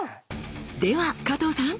では加藤さん